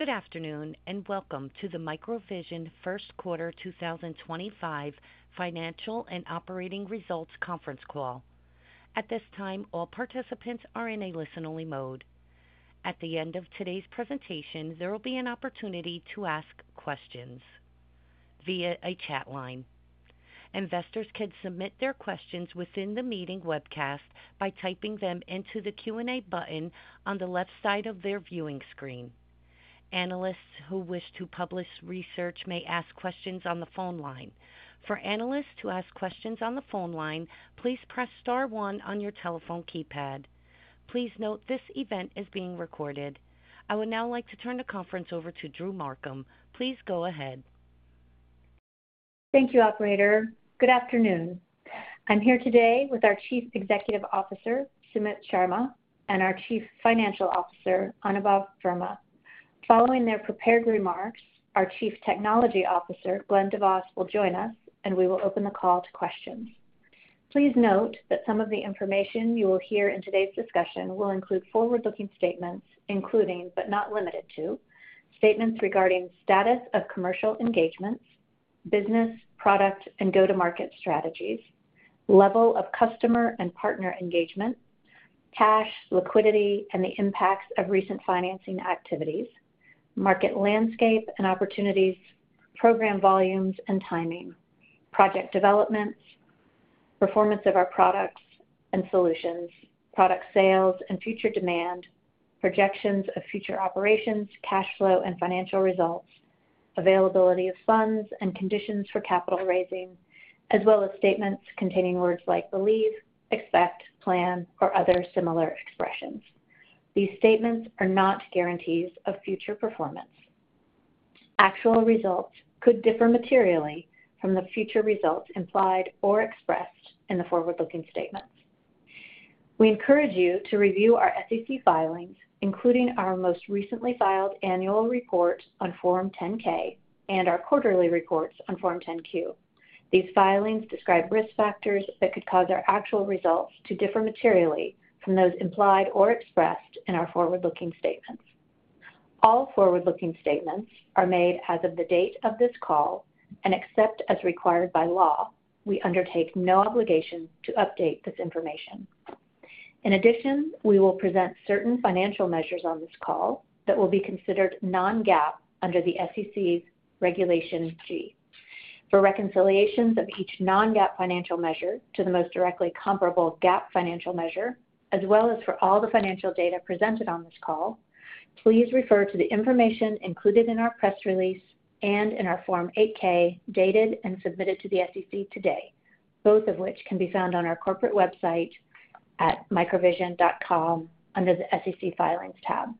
Good afternoon and welcome to the MicroVision First Quarter 2025 Financial and Operating Results Conference Call. At this time, all participants are in a listen-only mode. At the end of today's presentation, there will be an opportunity to ask questions via a chat line. Investors can submit their questions within the meeting webcast by typing them into the Q&A button on the left side of their viewing screen. Analysts who wish to publish research may ask questions on the phone line. For analysts to ask questions on the phone line, please press star one on your telephone keypad. Please note this event is being recorded. I would now like to turn the conference over to Drew Markham. Please go ahead. Thank you, Operator. Good afternoon. I'm here today with our Chief Executive Officer, Sumit Sharma, and our Chief Financial Officer, Anubhav Verma. Following their prepared remarks, our Chief Technology Officer, Glen DeVos, will join us, and we will open the call to questions. Please note that some of the information you will hear in today's discussion will include forward-looking statements, including but not limited to statements regarding status of commercial engagements, business, product, and go-to-market strategies, level of customer and partner engagement, cash liquidity, and the impacts of recent financing activities, market landscape and opportunities, program volumes and timing, project developments, performance of our products and solutions, product sales and future demand, projections of future operations, cash flow and financial results, availability of funds and conditions for capital raising, as well as statements containing words like believe, expect, plan, or other similar expressions. These statements are not guarantees of future performance. Actual results could differ materially from the future results implied or expressed in the forward-looking statements. We encourage you to review our SEC filings, including our most recently filed annual report on Form 10-K and our quarterly reports on Form 10-Q. These filings describe risk factors that could cause our actual results to differ materially from those implied or expressed in our forward-looking statements. All forward-looking statements are made as of the date of this call and, except as required by law, we undertake no obligation to update this information. In addition, we will present certain financial measures on this call that will be considered non-GAAP under the SEC's Regulation G. For reconciliations of each non-GAAP financial measure to the most directly comparable GAAP financial measure, as well as for all the financial data presented on this call, please refer to the information included in our press release and in our Form 8-K dated and submitted to the SEC today, both of which can be found on our corporate website at microvision.com under the SEC filings tab.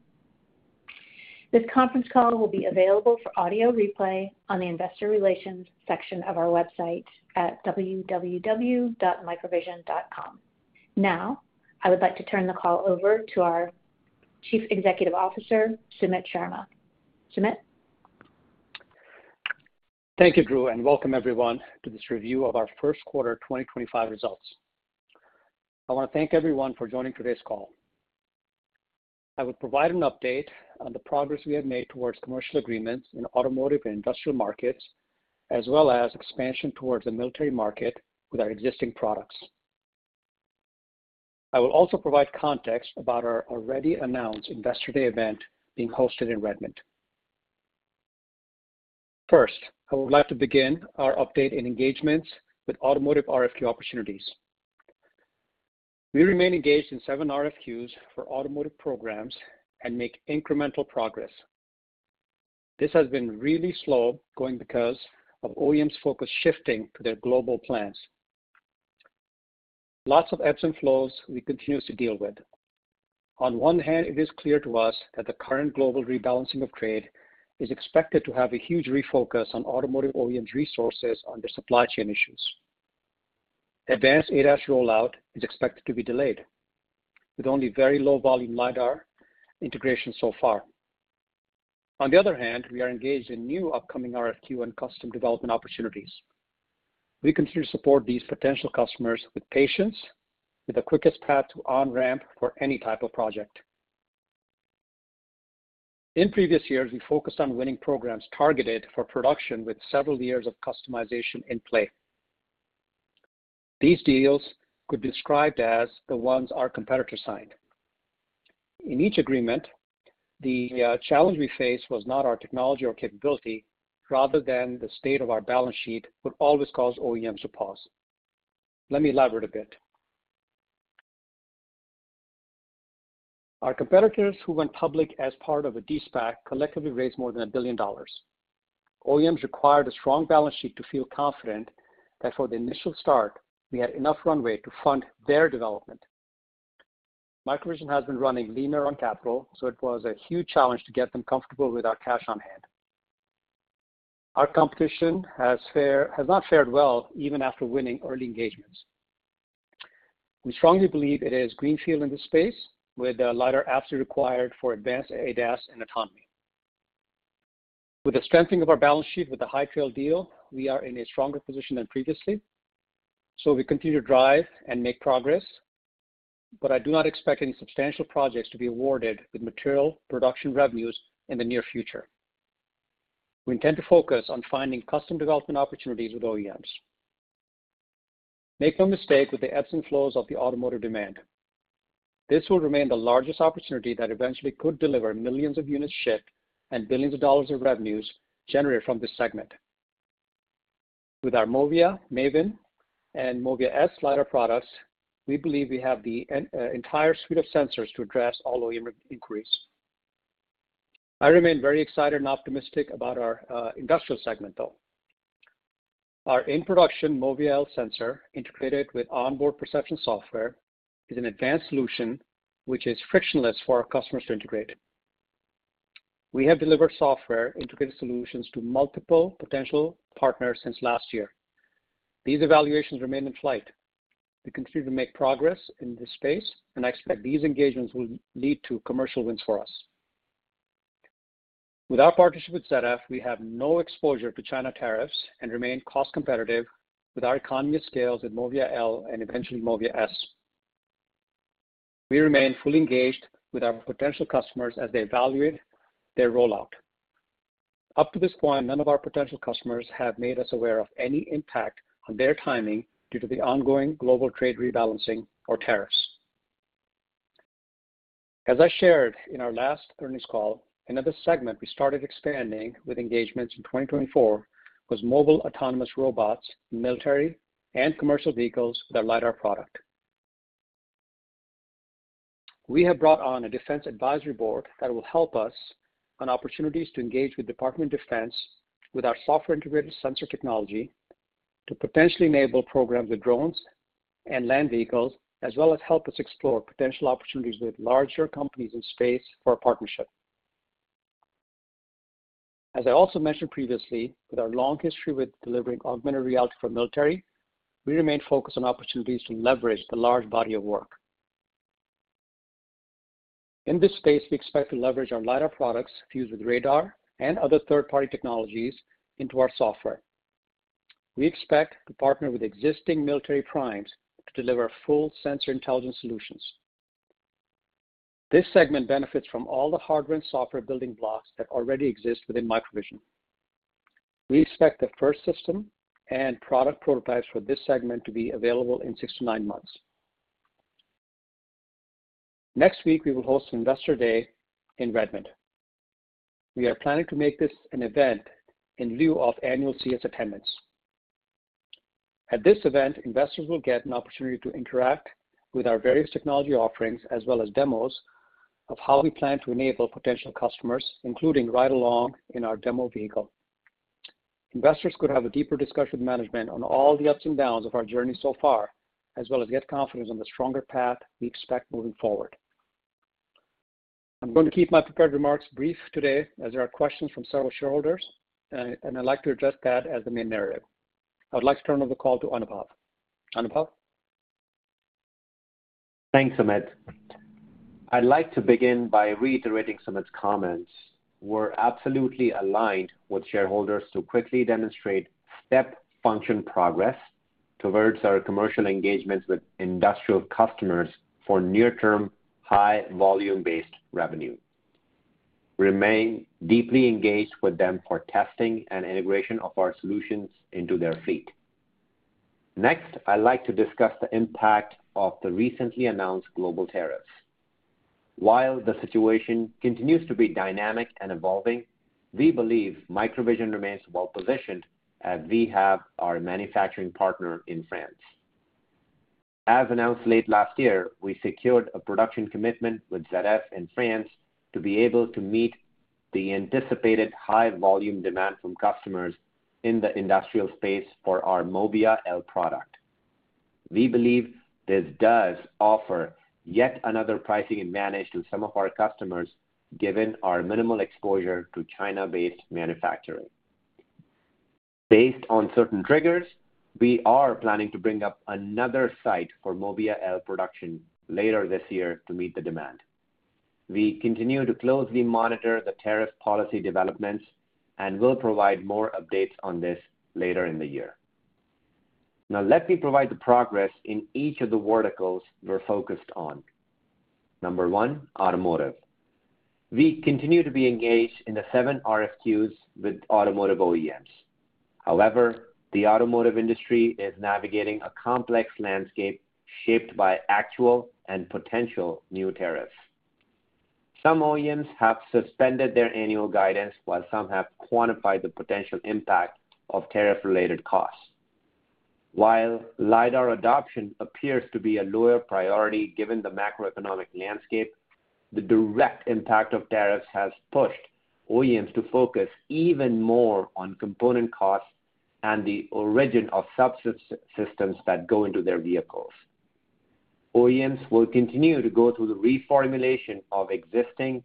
This conference call will be available for audio replay on the Investor Relations section of our website at www.microvision.com. Now, I would like to turn the call over to our Chief Executive Officer, Sumit Sharma. Sumit. Thank you, Drew, and welcome everyone to this review of our first quarter 2025 results. I want to thank everyone for joining today's call. I will provide an update on the progress we have made towards commercial agreements in automotive and industrial markets, as well as expansion towards the military market with our existing products. I will also provide context about our already announced Investor Day event being hosted in Redmond. First, I would like to begin our update in engagements with automotive RFQ opportunities. We remain engaged in seven RFQs for automotive programs and make incremental progress. This has been really slow going because of OEMs' focus shifting to their global plans. Lots of ebbs and flows we continue to deal with. On one hand, it is clear to us that the current global rebalancing of trade is expected to have a huge refocus on automotive OEMs' resources on their supply chain issues. Advanced ADAS rollout is expected to be delayed, with only very low-volume LiDAR integration so far. On the other hand, we are engaged in new upcoming RFQ and custom development opportunities. We continue to support these potential customers with patience, with the quickest path to on-ramp for any type of project. In previous years, we focused on winning programs targeted for production with several years of customization in play. These deals could be described as the ones our competitors signed. In each agreement, the challenge we faced was not our technology or capability, rather the state of our balance sheet would always cause OEMs to pause. Let me elaborate a bit. Our competitors who went public as part of a DSPAC collectively raised more than $1 billion. OEMs required a strong balance sheet to feel confident that for the initial start, we had enough runway to fund their development. MicroVision has been running leaner on capital, so it was a huge challenge to get them comfortable with our cash on hand. Our competition has not fared well even after winning early engagements. We strongly believe it is greenfield in this space, with LiDAR absolutely required for advanced ADAS and autonomy. With the strengthening of our balance sheet with the high-tail deal, we are in a stronger position than previously, so we continue to drive and make progress, but I do not expect any substantial projects to be awarded with material production revenues in the near future. We intend to focus on finding custom development opportunities with OEMs. Make no mistake with the ebbs and flows of the automotive demand. This will remain the largest opportunity that eventually could deliver millions of units shipped and billions of dollars of revenues generated from this segment. With our Movia, MAVIN, and Movia-S LiDAR products, we believe we have the entire suite of sensors to address all OEM inquiries. I remain very excited and optimistic about our industrial segment, though. Our in-production Movia-L sensor integrated with onboard perception software is an advanced solution which is frictionless for our customers to integrate. We have delivered software integrated solutions to multiple potential partners since last year. These evaluations remain in flight. We continue to make progress in this space, and I expect these engagements will lead to commercial wins for us. With our partnership with ZF, we have no exposure to China tariffs and remain cost competitive with our economy of scales with Movia-L and eventually Movia-S. We remain fully engaged with our potential customers as they evaluate their rollout. Up to this point, none of our potential customers have made us aware of any impact on their timing due to the ongoing global trade rebalancing or tariffs. As I shared in our last earnings call, another segment we started expanding with engagements in 2024 was mobile autonomous robots, military, and commercial vehicles with our LiDAR product. We have brought on a Defense Advisory Board that will help us on opportunities to engage with Department of Defense with our software integrated sensor technology to potentially enable programs with drones and land vehicles, as well as help us explore potential opportunities with larger companies in space for our partnership. As I also mentioned previously, with our long history with delivering augmented reality for military, we remain focused on opportunities to leverage the large body of work. In this space, we expect to leverage our LiDAR products fused with radar and other third-party technologies into our software. We expect to partner with existing military primes to deliver full sensor intelligence solutions. This segment benefits from all the hardware and software building blocks that already exist within MicroVision. We expect the first system and product prototypes for this segment to be available in six to nine months. Next week, we will host Investor Day in Redmond. We are planning to make this an event in lieu of annual CS attendance. At this event, investors will get an opportunity to interact with our various technology offerings, as well as demos of how we plan to enable potential customers, including ride-along in our demo vehicle. Investors could have a deeper discussion with management on all the ups and downs of our journey so far, as well as get confidence on the stronger path we expect moving forward. I'm going to keep my prepared remarks brief today as there are questions from several shareholders, and I'd like to address that as the main narrative. I would like to turn over the call to Anubhav. Anubhav. Thanks, Sumit. I'd like to begin by reiterating Sumit's comments. We're absolutely aligned with shareholders to quickly demonstrate step-function progress towards our commercial engagements with industrial customers for near-term high-volume-based revenue. We remain deeply engaged with them for testing and integration of our solutions into their fleet. Next, I'd like to discuss the impact of the recently announced global tariffs. While the situation continues to be dynamic and evolving, we believe MicroVision remains well-positioned as we have our manufacturing partner in France. As announced late last year, we secured a production commitment with ZF in France to be able to meet the anticipated high-volume demand from customers in the industrial space for our Movia-L product. We believe this does offer yet another pricing advantage to some of our customers, given our minimal exposure to China-based manufacturing. Based on certain triggers, we are planning to bring up another site for Movia-L production later this year to meet the demand. We continue to closely monitor the tariff policy developments and will provide more updates on this later in the year. Now, let me provide the progress in each of the verticals we're focused on. Number one, automotive. We continue to be engaged in the seven RFQs with automotive OEMs. However, the automotive industry is navigating a complex landscape shaped by actual and potential new tariffs. Some OEMs have suspended their annual guidance, while some have quantified the potential impact of tariff-related costs. While LiDAR adoption appears to be a lower priority given the macroeconomic landscape, the direct impact of tariffs has pushed OEMs to focus even more on component costs and the origin of subsystems that go into their vehicles. OEMs will continue to go through the reformulation of existing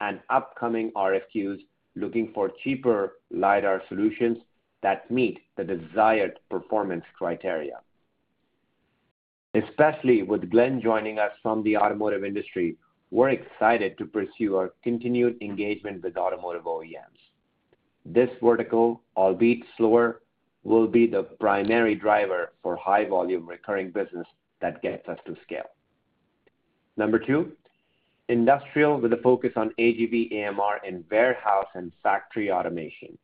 and upcoming RFQs, looking for cheaper LiDAR solutions that meet the desired performance criteria. Especially with Glen DeVos joining us from the automotive industry, we're excited to pursue our continued engagement with automotive OEMs. This vertical, albeit slower, will be the primary driver for high-volume recurring business that gets us to scale. Number two, industrial with a focus on AGV AMR in warehouse and factory automation.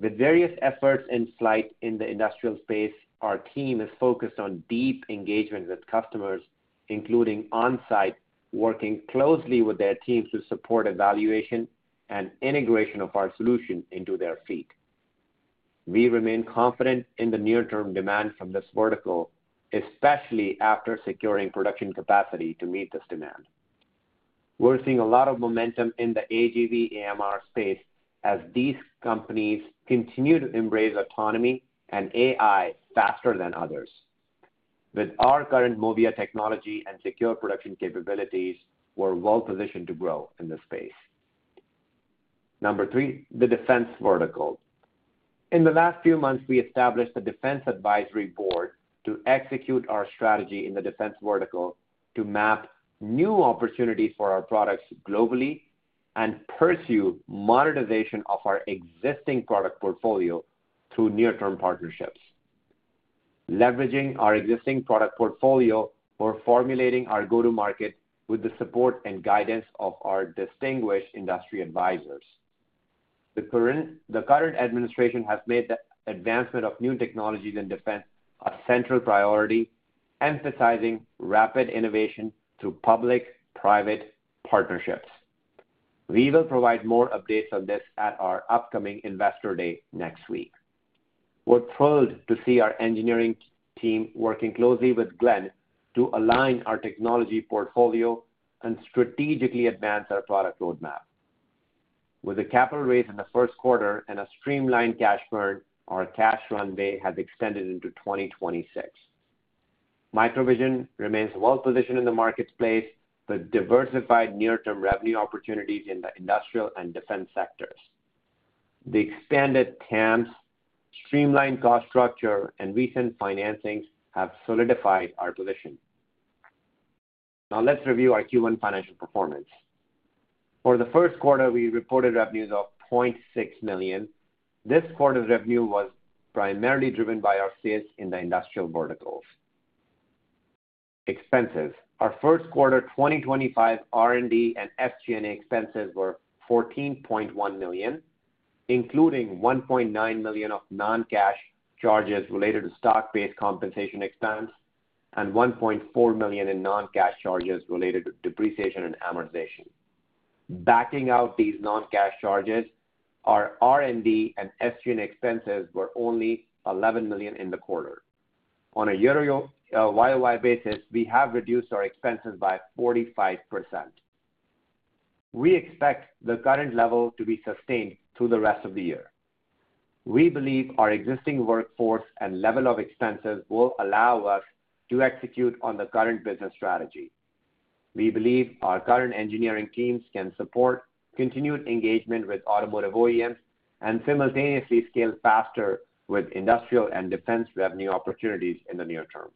With various efforts in flight in the industrial space, our team is focused on deep engagement with customers, including on-site, working closely with their teams to support evaluation and integration of our solution into their fleet. We remain confident in the near-term demand from this vertical, especially after securing production capacity to meet this demand. We're seeing a lot of momentum in the AGV AMR space as these companies continue to embrace autonomy and AI faster than others. With our current Movia technology and secure production capabilities, we're well-positioned to grow in this space. Number three, the defense vertical. In the last few months, we established the Defense Advisory Board to execute our strategy in the defense vertical to map new opportunities for our products globally and pursue monetization of our existing product portfolio through near-term partnerships. Leveraging our existing product portfolio, we're formulating our go-to-market with the support and guidance of our distinguished industry advisors. The current administration has made the advancement of new technologies in defense a central priority, emphasizing rapid innovation through public-private partnerships. We will provide more updates on this at our upcoming Investor Day next week. We're thrilled to see our engineering team working closely with Glen to align our technology portfolio and strategically advance our product roadmap. With a capital raise in the first quarter and a streamlined cash burn, our cash runway has extended into 2026. MicroVision remains well-positioned in the marketplace with diversified near-term revenue opportunities in the industrial and defense sectors. The expanded TAMs, streamlined cost structure, and recent financings have solidified our position. Now, let's review our Q1 financial performance. For the first quarter, we reported revenues of $0.6 million. This quarter's revenue was primarily driven by our sales in the industrial verticals. Expenses. Our first quarter 2025 R&D and SG&A expenses were $14.1 million, including $1.9 million of non-cash charges related to stock-based compensation expense and $1.4 million in non-cash charges related to depreciation and amortization. Backing out these non-cash charges, our R&D and SG&A expenses were only $11 million in the quarter. On a year-over-year (YOY) basis, we have reduced our expenses by 45%. We expect the current level to be sustained through the rest of the year. We believe our existing workforce and level of expenses will allow us to execute on the current business strategy. We believe our current engineering teams can support continued engagement with automotive OEMs and simultaneously scale faster with industrial and defense revenue opportunities in the near term.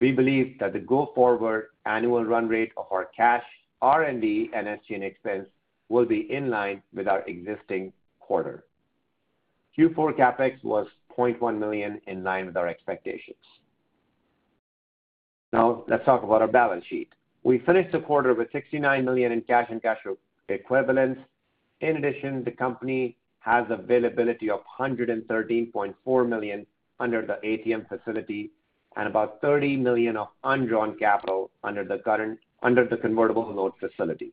We believe that the go-forward annual run rate of our cash, R&D, and SG&A expense will be in line with our existing quarter. Q4 CapEx was $0.1 million in line with our expectations. Now, let's talk about our balance sheet. We finished the quarter with $69 million in cash and cash equivalents. In addition, the company has availability of $113.4 million under the ATM facility and about $30 million of undrawn capital under the convertible note facility.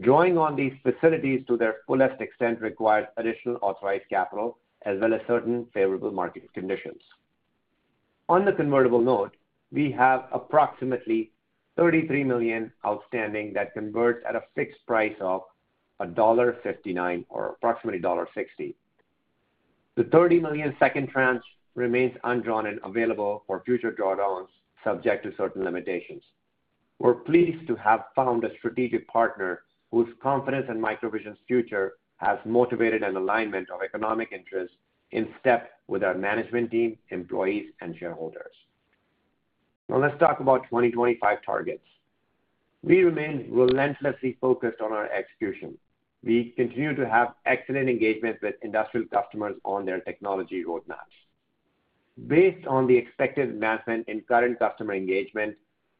Drawing on these facilities to their fullest extent requires additional authorized capital, as well as certain favorable market conditions. On the convertible note, we have approximately $33 million outstanding that converts at a fixed price of $1.59 or approximately $1.60. The $30 million second tranche remains undrawn and available for future drawdowns, subject to certain limitations. We're pleased to have found a strategic partner whose confidence in MicroVision's future has motivated an alignment of economic interests in step with our management team, employees, and shareholders. Now, let's talk about 2025 targets. We remain relentlessly focused on our execution. We continue to have excellent engagement with industrial customers on their technology roadmaps. Based on the expected advancement in current customer engagement,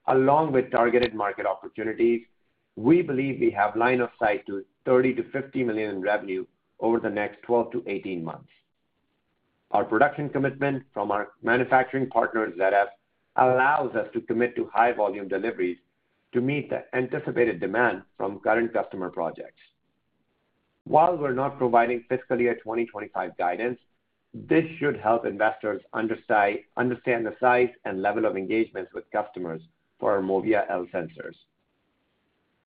along with targeted market opportunities, we believe we have line of sight to $30 million-$50 million in revenue over the next 12-18 months. Our production commitment from our manufacturing partner, ZF, allows us to commit to high-volume deliveries to meet the anticipated demand from current customer projects. While we're not providing fiscal year 2025 guidance, this should help investors understand the size and level of engagements with customers for our Movia-L sensors.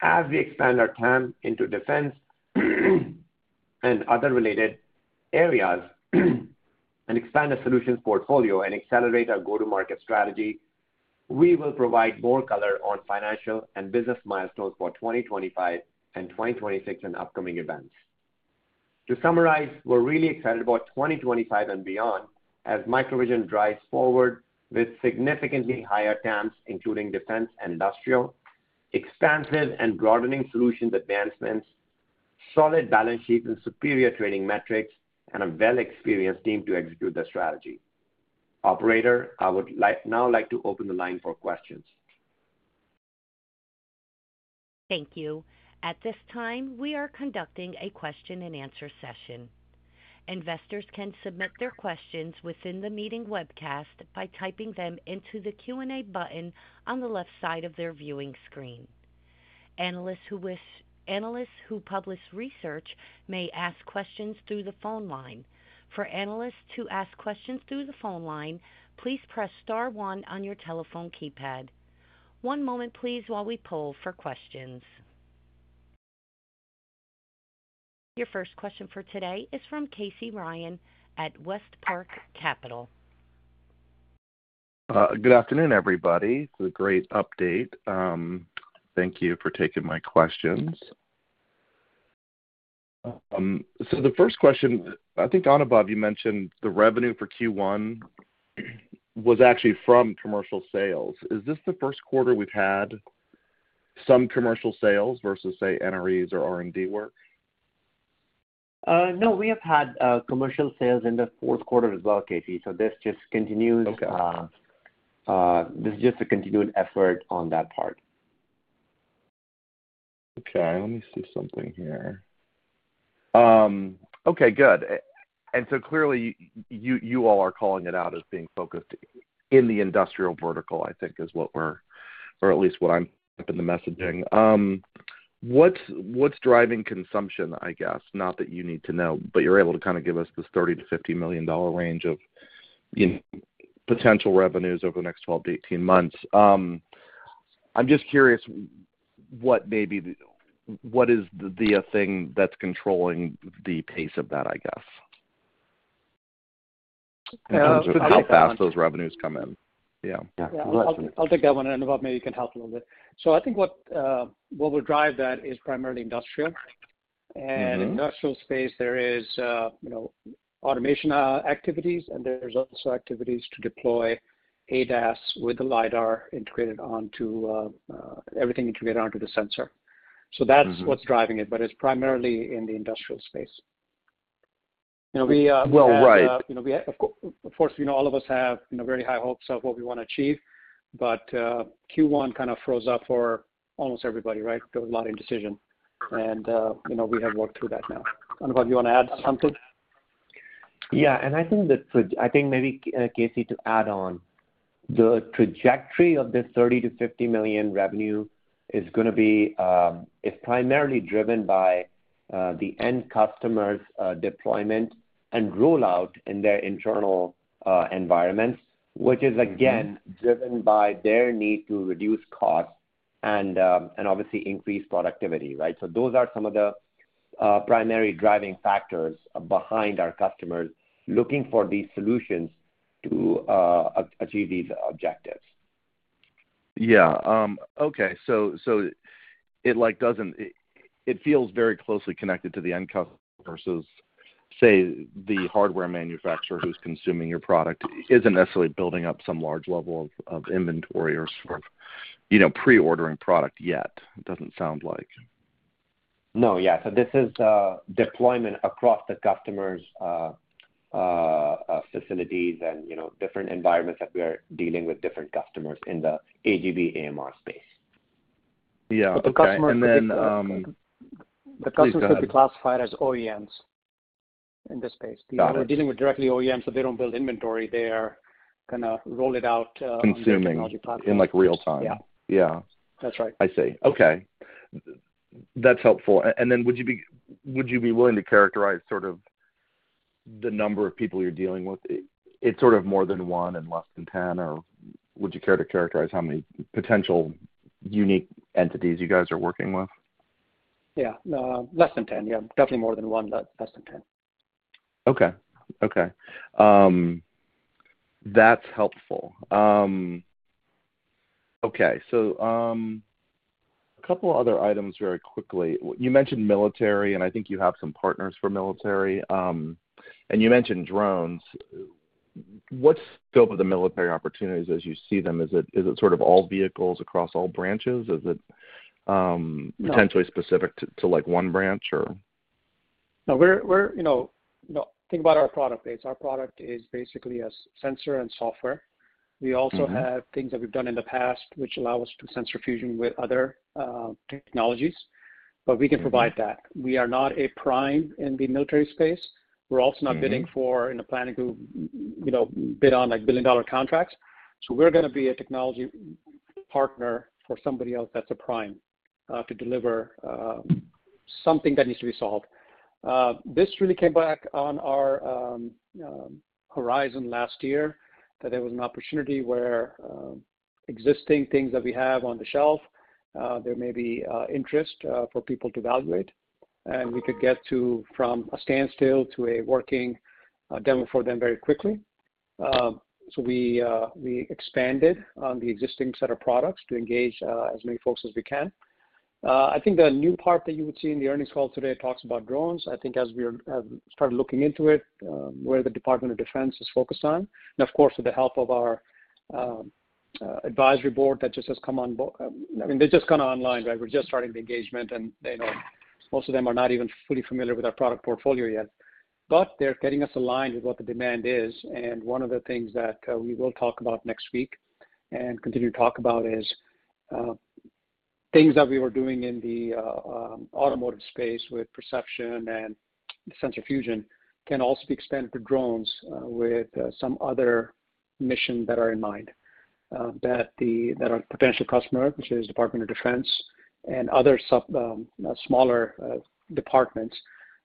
As we expand our TAM into defense and other related areas and expand our solutions portfolio and accelerate our go-to-market strategy, we will provide more color on financial and business milestones for 2025 and 2026 and upcoming events. To summarize, we're really excited about 2025 and beyond as MicroVision drives forward with significantly higher TAMs, including defense and industrial, expansive and broadening solutions advancements, solid balance sheets and superior trading metrics, and a well-experienced team to execute the strategy. Operator, I would now like to open the line for questions. Thank you. At this time, we are conducting a question-and-answer session. Investors can submit their questions within the meeting webcast by typing them into the Q&A button on the left side of their viewing screen. Analysts who publish research may ask questions through the phone line. For analysts to ask questions through the phone line, please press star one on your telephone keypad. One moment, please, while we poll for questions. Your first question for today is from Casey Ryan at Westpark Capital. Good afternoon, everybody. It's a great update. Thank you for taking my questions. The first question, I think, Anubhav, you mentioned the revenue for Q1 was actually from commercial sales. Is this the first quarter we've had some commercial sales versus, say, NREs or R&D work? No, we have had commercial sales in the fourth quarter as well, Casey. This just continues. This is just a continued effort on that part. Okay. Let me see something here. Okay. Good. Clearly, you all are calling it out as being focused in the industrial vertical, I think, is what we're or at least what I'm hoping the messaging. What's driving consumption, I guess? Not that you need to know, but you're able to kind of give us this $30 million-$50 million range of potential revenues over the next 12-18 months. I'm just curious what is the thing that's controlling the pace of that, I guess, in terms of how fast those revenues come in? Yeah. Yeah. I'll take that one. Anubhav, maybe you can help a little bit. I think what will drive that is primarily industrial. In the industrial space, there is automation activities, and there's also activities to deploy ADAS with the LiDAR integrated onto everything integrated onto the sensor. That's what's driving it, but it's primarily in the industrial space. Well, right. Of course, all of us have very high hopes of what we want to achieve, but Q1 kind of throws up for almost everybody, right? There was a lot of indecision, and we have worked through that now. Anubhav, you want to add something? Yeah. I think that's a—I think maybe, Casey, to add on, the trajectory of this $30 million-$50 million revenue is going to be primarily driven by the end customer's deployment and rollout in their internal environments, which is, again, driven by their need to reduce costs and obviously increase productivity, right? Those are some of the primary driving factors behind our customers looking for these solutions to achieve these objectives. Yeah. Okay. So it feels very closely connected to the end customer versus, say, the hardware manufacturer who's consuming your product isn't necessarily building up some large level of inventory or sort of pre-ordering product yet. It doesn't sound like. No. Yeah. This is deployment across the customer's facilities and different environments that we are dealing with different customers in the AGV AMR space. Yeah. The customers can be classified as OEMs in this space. We're dealing with directly OEMs, so they don't build inventory. They're going to roll it out. Consuming in real time. Yeah. Yeah. That's right. I see. Okay. That's helpful. Would you be willing to characterize sort of the number of people you're dealing with? Is it sort of more than one and less than 10, or would you care to characterize how many potential unique entities you guys are working with? Yeah. Less than 10. Yeah. Definitely more than one, less than 10. Okay. Okay. That's helpful. Okay. So a couple of other items very quickly. You mentioned military, and I think you have some partners for military. And you mentioned drones. What's the scope of the military opportunities as you see them? Is it sort of all vehicles across all branches? Is it potentially specific to one branch, or? No. Think about our product base. Our product is basically a sensor and software. We also have things that we've done in the past, which allow us to do sensor fusion with other technologies, but we can provide that. We are not a prime in the military space. We're also not bidding for in the planning group, bid on billion-dollar contracts. We are going to be a technology partner for somebody else that's a prime to deliver something that needs to be solved. This really came back on our horizon last year that there was an opportunity where existing things that we have on the shelf, there may be interest for people to evaluate, and we could get from a standstill to a working demo for them very quickly. We expanded on the existing set of products to engage as many folks as we can. I think the new part that you would see in the earnings call today talks about drones. I think as we started looking into it, where the Department of Defense is focused on, and of course, with the help of our advisory board that just has come on board. I mean, they're just kind of online, right? We're just starting the engagement, and most of them are not even fully familiar with our product portfolio yet, but they're getting us aligned with what the demand is. One of the things that we will talk about next week and continue to talk about is things that we were doing in the automotive space with perception and the sensor fusion can also be extended to drones with some other missions that are in mind that our potential customer, which is the Department of Defense and other smaller departments,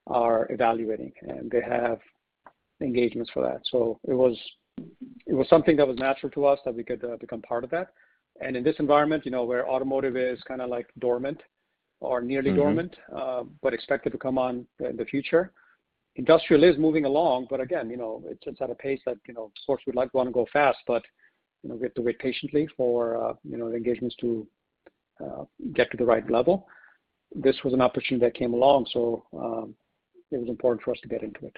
are evaluating, and they have engagements for that. It was something that was natural to us that we could become part of that. In this environment, where automotive is kind of dormant or nearly dormant but expected to come on in the future, industrial is moving along, but again, it's at a pace that, of course, we'd like to want to go fast, but we have to wait patiently for the engagements to get to the right level. This was an opportunity that came along, so it was important for us to get into it.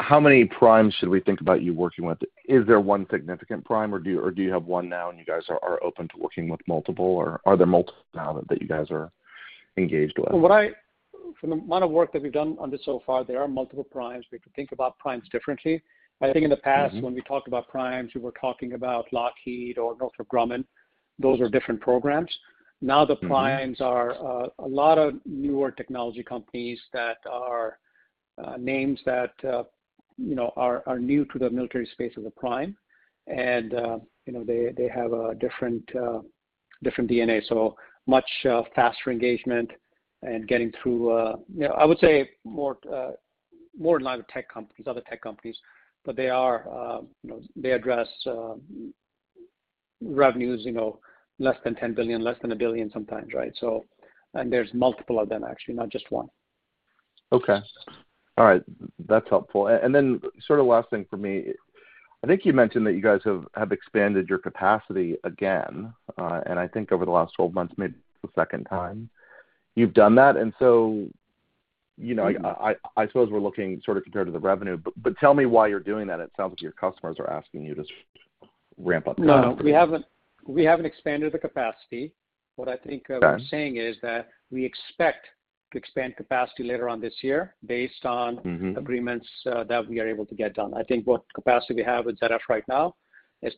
How many primes should we think about you working with? Is there one significant prime, or do you have one now and you guys are open to working with multiple, or are there multiple now that you guys are engaged with? From the amount of work that we've done on this so far, there are multiple primes. We have to think about primes differently. I think in the past, when we talked about primes, we were talking about Lockheed or Northrop Grumman. Those are different programs. Now the primes are a lot of newer technology companies that are names that are new to the military space as a prime, and they have a different DNA. Much faster engagement and getting through, I would say, more in line with tech companies, other tech companies, but they address revenues less than $10 billion, less than $1 billion sometimes, right? And there's multiple of them, actually, not just one. Okay. All right. That's helpful. And then sort of last thing for me, I think you mentioned that you guys have expanded your capacity again, and I think over the last 12 months, maybe the second time. You've done that. And so I suppose we're looking sort of compared to the revenue, but tell me why you're doing that. It sounds like your customers are asking you to ramp up. No. We haven't expanded the capacity. What I think I'm saying is that we expect to expand capacity later on this year based on agreements that we are able to get done. I think what capacity we have with ZF right now is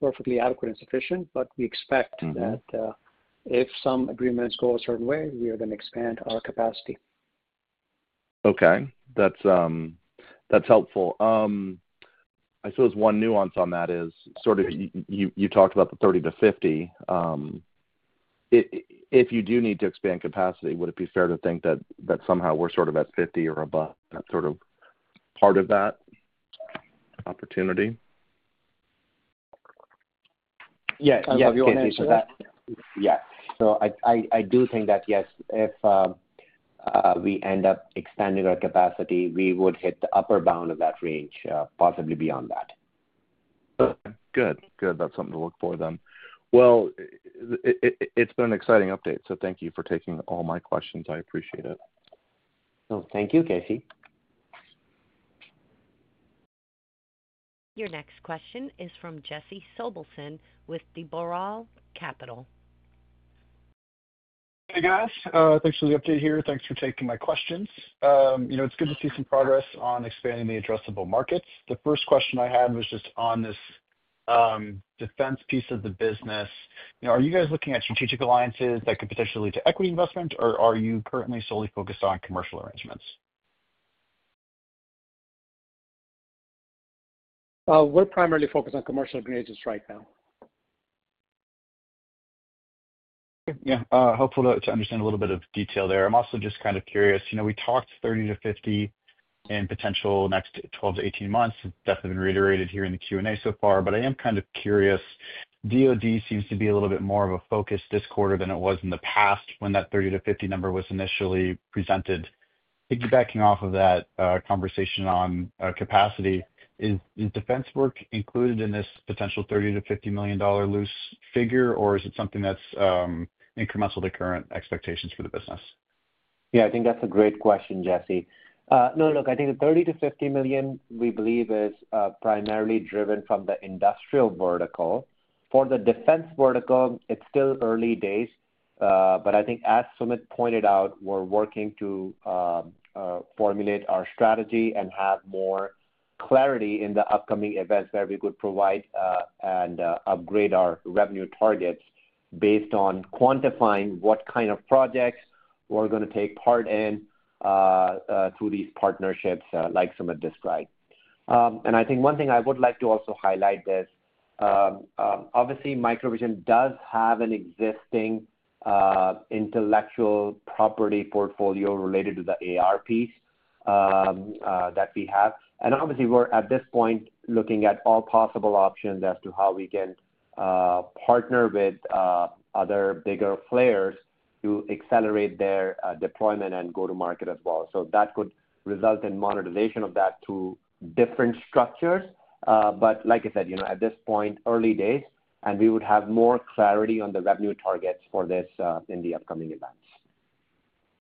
perfectly adequate and sufficient, but we expect that if some agreements go a certain way, we are going to expand our capacity. Okay. That's helpful. I suppose one nuance on that is sort of you talked about the 30-50. If you do need to expand capacity, would it be fair to think that somehow we're sort of at 50 or above that sort of part of that opportunity? Yeah. I'll give you an answer to that. Yeah. I do think that, yes, if we end up expanding our capacity, we would hit the upper bound of that range, possibly beyond that. Okay. Good. Good. That is something to look for then. It has been an exciting update, so thank you for taking all my questions. I appreciate it. Thank you, Casey. Your next question is from Jesse Sobelson with D. Boral Capital. Hey, guys. Thanks for the update here. Thanks for taking my questions. It's good to see some progress on expanding the addressable markets. The first question I had was just on this defense piece of the business. Are you guys looking at strategic alliances that could potentially lead to equity investment, or are you currently solely focused on commercial arrangements? We're primarily focused on commercial agreements right now. Okay. Yeah. Helpful to understand a little bit of detail there. I'm also just kind of curious. We talked $30 million-$50 million in potential next 12-18 months. It's definitely been reiterated here in the Q&A so far, but I am kind of curious. Department of Defense seems to be a little bit more of a focus this quarter than it was in the past when that $30 million-$50 million number was initially presented. Picking it back off of that conversation on capacity, is defense work included in this potential $30 million-$50 million loose figure, or is it something that's incremental to current expectations for the business? Yeah. I think that's a great question, Jesse. No, look, I think the $30 million-$50 million, we believe, is primarily driven from the industrial vertical. For the defense vertical, it's still early days, but I think, as Sumit pointed out, we're working to formulate our strategy and have more clarity in the upcoming events where we could provide and upgrade our revenue targets based on quantifying what kind of projects we're going to take part in through these partnerships like Sumit described. I think one thing I would like to also highlight is, obviously, MicroVision does have an existing intellectual property portfolio related to the ARPs that we have. Obviously, we're at this point looking at all possible options as to how we can partner with other bigger players to accelerate their deployment and go-to-market as well. That could result in monetization of that through different structures. Like I said, at this point, early days, and we would have more clarity on the revenue targets for this in the upcoming events.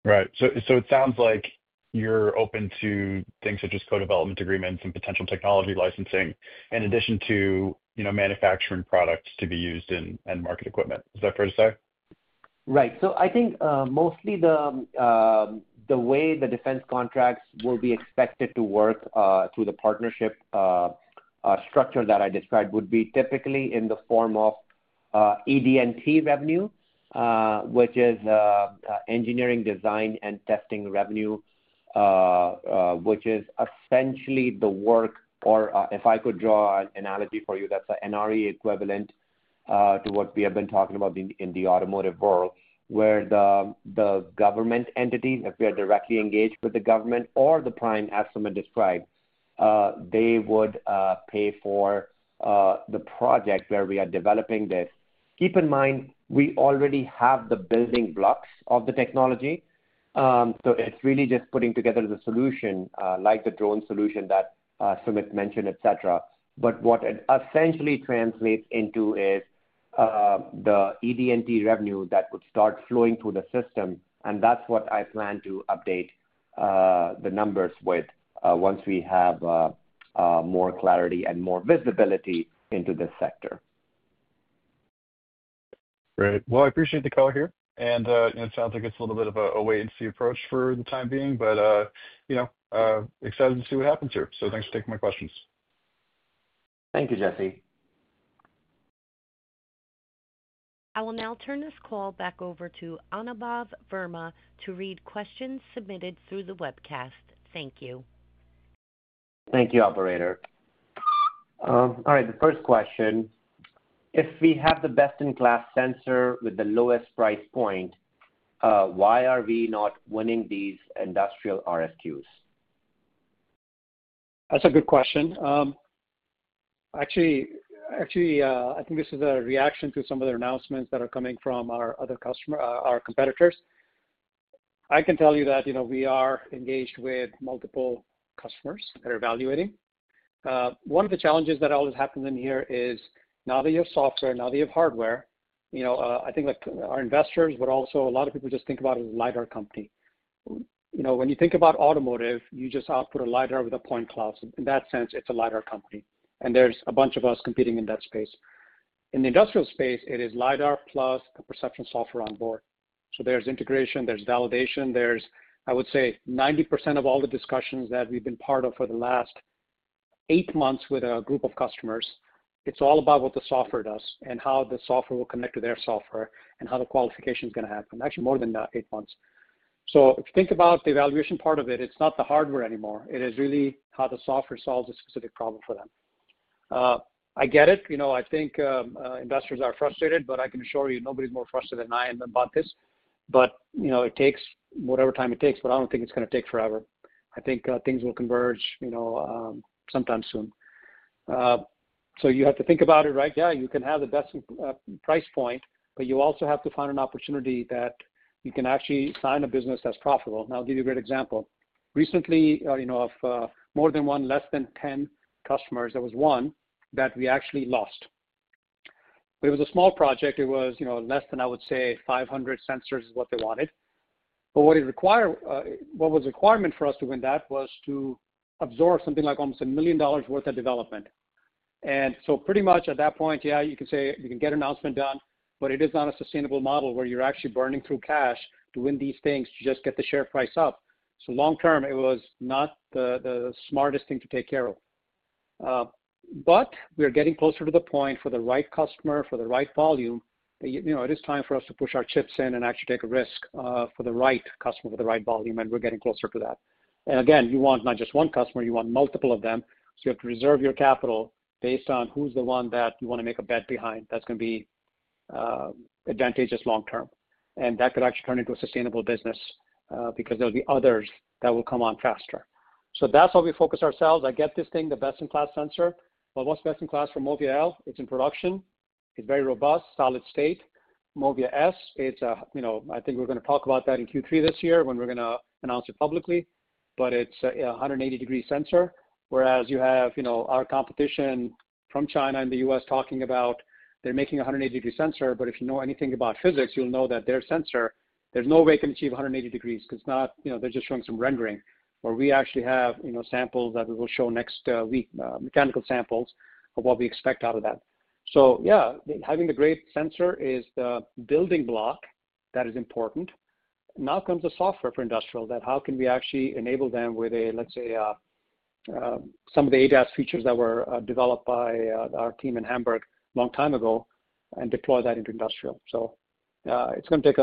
Right. So it sounds like you're open to things such as co-development agreements and potential technology licensing in addition to manufacturing products to be used in market equipment. Is that fair to say? Right. I think mostly the way the defense contracts will be expected to work through the partnership structure that I described would be typically in the form of ED&T revenue, which is engineering, design, and testing revenue, which is essentially the work, or if I could draw an analogy for you, that is an NRE equivalent to what we have been talking about in the automotive world, where the government entities, if we are directly engaged with the government or the prime, as Sumit described, they would pay for the project where we are developing this. Keep in mind, we already have the building blocks of the technology, so it is really just putting together the solution like the drone solution that Sumit mentioned, etc. What it essentially translates into is the ED&T revenue that would start flowing through the system, and that's what I plan to update the numbers with once we have more clarity and more visibility into this sector. Great. I appreciate the call here. It sounds like it's a little bit of a wait-and-see approach for the time being, but excited to see what happens here. Thanks for taking my questions. Thank you, Jesse. I will now turn this call back over to Anubhav Verma to read questions submitted through the webcast. Thank you. Thank you, Operator. All right. The first question. If we have the best-in-class sensor with the lowest price point, why are we not winning these industrial RFQs? That's a good question. Actually, I think this is a reaction to some of the announcements that are coming from our competitors. I can tell you that we are engaged with multiple customers that are evaluating. One of the challenges that always happens in here is, now that you have software, now that you have hardware, I think our investors, but also a lot of people just think about it as a LiDAR company. When you think about automotive, you just output a LiDAR with a point cloud. In that sense, it's a LiDAR company, and there's a bunch of us competing in that space. In the industrial space, it is LiDAR plus the perception software on board. So there's integration, there's validation. There's, I would say, 90% of all the discussions that we've been part of for the last eight months with a group of customers. It's all about what the software does and how the software will connect to their software and how the qualification is going to happen. Actually, more than eight months. If you think about the evaluation part of it, it's not the hardware anymore. It is really how the software solves a specific problem for them. I get it. I think investors are frustrated, but I can assure you nobody's more frustrated than I am about this. It takes whatever time it takes, but I don't think it's going to take forever. I think things will converge sometime soon. You have to think about it, right? Yeah. You can have the best price point, but you also have to find an opportunity that you can actually sign a business that's profitable. I'll give you a great example. Recently, of more than one, less than 10 customers, there was one that we actually lost. It was a small project. It was less than, I would say, 500 sensors is what they wanted. What was the requirement for us to win that was to absorb something like almost $1 million worth of development. Pretty much at that point, yeah, you can say you can get an announcement done, but it is not a sustainable model where you're actually burning through cash to win these things to just get the share price up. Long term, it was not the smartest thing to take care of. We are getting closer to the point for the right customer, for the right volume, that it is time for us to push our chips in and actually take a risk for the right customer, for the right volume, and we're getting closer to that. Again, you want not just one customer. You want multiple of them. You have to reserve your capital based on who's the one that you want to make a bet behind that's going to be advantageous long term. That could actually turn into a sustainable business because there will be others that will come on faster. That's how we focus ourselves. I get this thing, the best-in-class sensor. What's best-in-class for Movia-L? It's in production. It's very robust, solid state. Movia S, I think we're going to talk about that in Q3 this year when we're going to announce it publicly, but it's a 180-degree sensor, whereas you have our competition from China and the U.S. talking about they're making a 180-degree sensor, but if you know anything about physics, you'll know that their sensor, there's no way it can achieve 180 degrees because they're just showing some rendering, where we actually have samples that we will show next week, mechanical samples of what we expect out of that. Yeah, having the great sensor is the building block that is important. Now comes the software for industrial that how can we actually enable them with, let's say, some of the ADAS features that were developed by our team in Hamburg a long time ago and deploy that into industrial. It's going to take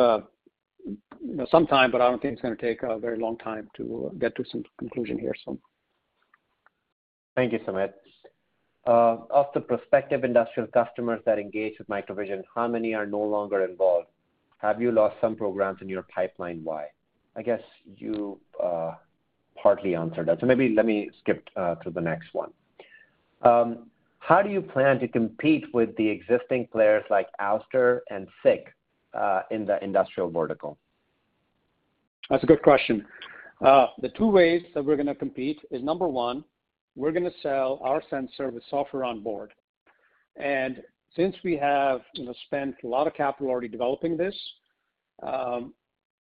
some time, but I don't think it's going to take a very long time to get to some conclusion here. Thank you, Sumit. Of the prospective industrial customers that engage with MicroVision, how many are no longer involved? Have you lost some programs in your pipeline? Why? I guess you partly answered that. Maybe let me skip to the next one. How do you plan to compete with the existing players like Ouster and SICK in the industrial vertical? That's a good question. The two ways that we're going to compete is, number one, we're going to sell our sensor with software on board. Since we have spent a lot of capital already developing this and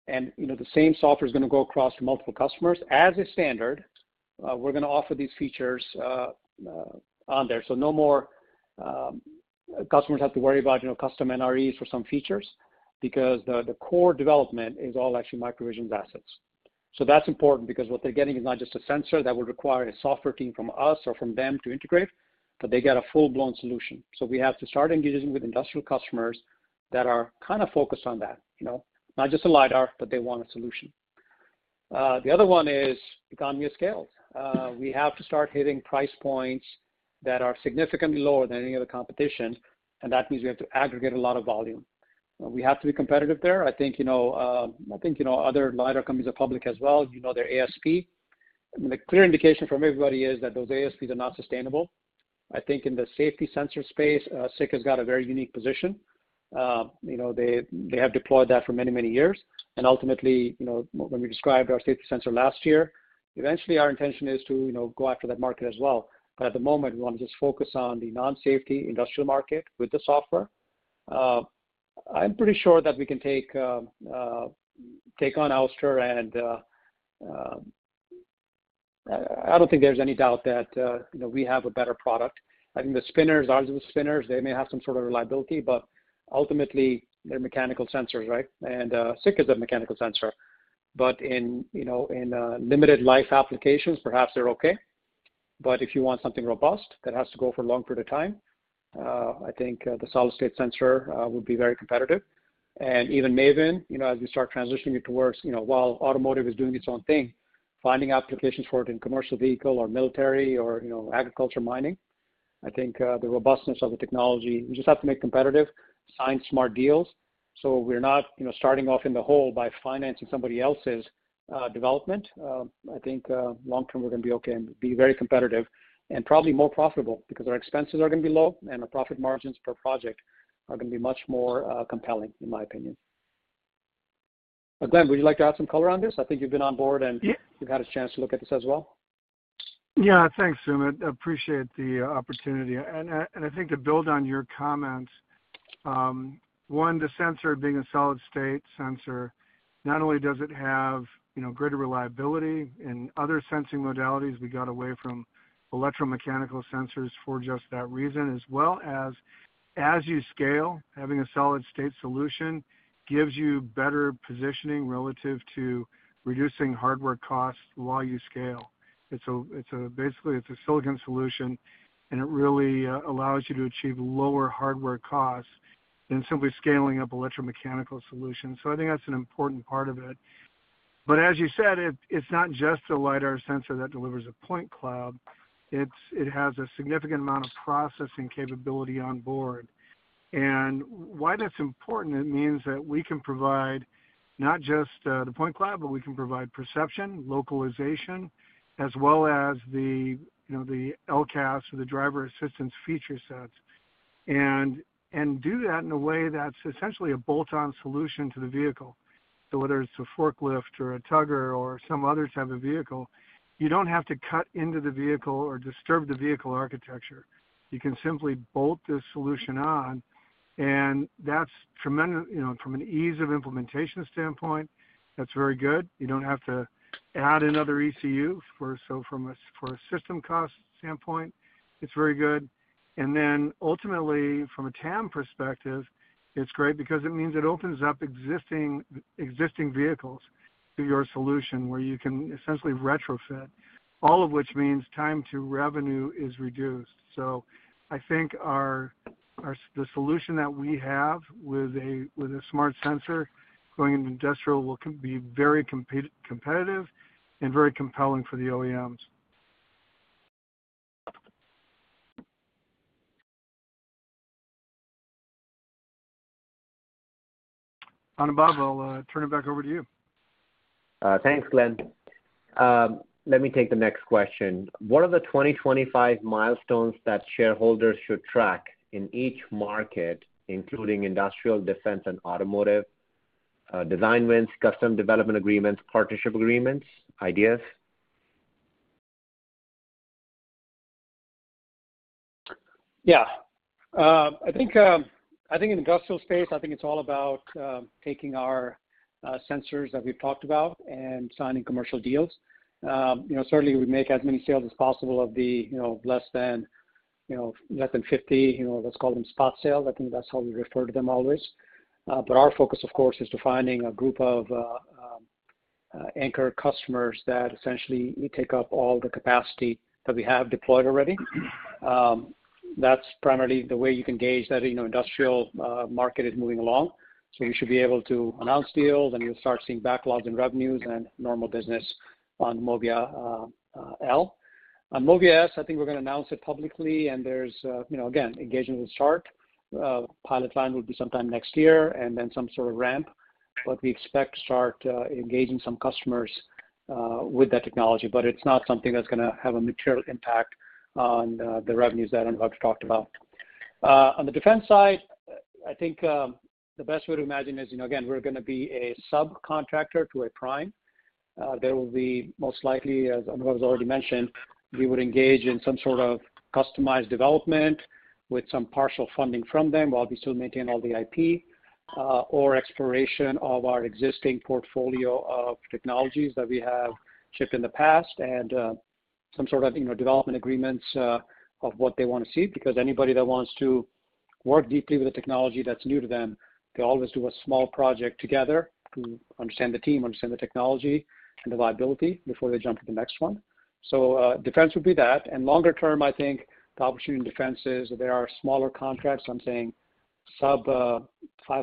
the same software is going to go across to multiple customers as a standard, we're going to offer these features on there. No more customers have to worry about custom NREs for some features because the core development is all actually MicroVision's assets. That's important because what they're getting is not just a sensor that would require a software team from us or from them to integrate, but they get a full-blown solution. We have to start engaging with industrial customers that are kind of focused on that, not just a LiDAR, but they want a solution. The other one is economy of scale. We have to start hitting price points that are significantly lower than any other competition, and that means we have to aggregate a lot of volume. We have to be competitive there. I think other LiDAR companies are public as well. You know their ASP. The clear indication from everybody is that those ASPs are not sustainable. I think in the safety sensor space, SICK has got a very unique position. They have deployed that for many, many years. Ultimately, when we described our safety sensor last year, eventually, our intention is to go after that market as well. At the moment, we want to just focus on the non-safety industrial market with the software. I'm pretty sure that we can take on Ouster, and I don't think there's any doubt that we have a better product. I think the spinners, our spinners, they may have some sort of reliability, but ultimately, they're mechanical sensors, right? And SICK is a mechanical sensor. In limited life applications, perhaps they're okay. If you want something robust that has to go for a long period of time, I think the solid-state sensor would be very competitive. Even MAVIN, as we start transitioning it towards while automotive is doing its own thing, finding applications for it in commercial vehicle or military or agriculture mining, I think the robustness of the technology, we just have to make it competitive, sign smart deals. We're not starting off in the hole by financing somebody else's development. I think long term, we're going to be okay and be very competitive and probably more profitable because our expenses are going to be low and our profit margins per project are going to be much more compelling, in my opinion. Glen, would you like to add some color on this? I think you've been on board and you've had a chance to look at this as well. Yeah. Thanks, Sumit. Appreciate the opportunity. I think to build on your comments, one, the sensor being a solid-state sensor, not only does it have greater reliability than other sensing modalities, we got away from electromechanical sensors for just that reason, as well as, as you scale, having a solid-state solution gives you better positioning relative to reducing hardware costs while you scale. Basically, it's a silicon solution, and it really allows you to achieve lower hardware costs than simply scaling up electromechanical solutions. I think that's an important part of it. As you said, it's not just a LiDAR sensor that delivers a point cloud. It has a significant amount of processing capability on board. Why that's important, it means that we can provide not just the point cloud, but we can provide perception, localization, as well as the LCAS or the driver assistance feature sets, and do that in a way that's essentially a bolt-on solution to the vehicle. Whether it's a forklift or a tugger or some other type of vehicle, you don't have to cut into the vehicle or disturb the vehicle architecture. You can simply bolt this solution on, and that's tremendous. From an ease of implementation standpoint, that's very good. You don't have to add another ECU. From a system cost standpoint, it's very good. Ultimately, from a TAM perspective, it's great because it means it opens up existing vehicles to your solution where you can essentially retrofit, all of which means time to revenue is reduced. I think the solution that we have with a smart sensor going into industrial will be very competitive and very compelling for the OEMs. Anubhav, I'll turn it back over to you. Thanks, Glen. Let me take the next question. What are the 2025 milestones that shareholders should track in each market, including industrial, defense, and automotive? Design wins, custom development agreements, partnership agreements, ideas? Yeah. I think in the industrial space, I think it's all about taking our sensors that we've talked about and signing commercial deals. Certainly, we make as many sales as possible of the less than 50, let's call them spot sales. I think that's how we refer to them always. Our focus, of course, is defining a group of anchor customers that essentially take up all the capacity that we have deployed already. That's primarily the way you can gauge that industrial market is moving along. You should be able to announce deals, and you'll start seeing backlogs in revenues and normal business on Movia-L. On Movia-S, I think we're going to announce it publicly, and there's, again, engagement with SCHART. Pilot line will be sometime next year and then some sort of ramp, but we expect to start engaging some customers with that technology. It is not something that is going to have a material impact on the revenues that Anubhav talked about. On the defense side, I think the best way to imagine is, again, we are going to be a subcontractor to a prime. There will be, most likely, as Anubhav has already mentioned, we would engage in some sort of customized development with some partial funding from them while we still maintain all the IP or exploration of our existing portfolio of technologies that we have shipped in the past and some sort of development agreements of what they want to see because anybody that wants to work deeply with a technology that is new to them, they always do a small project together to understand the team, understand the technology, and the viability before they jump to the next one. Defense would be that. Longer term, I think the opportunity in defense is there are smaller contracts. I'm saying sub-$500